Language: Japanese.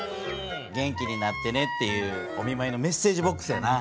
元気になってねっていうおみまいのメッセージボックスやな。